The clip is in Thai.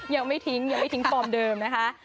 ใช่ค่ะยังไม่ทิ้งฟอร์มเดิมนะคะ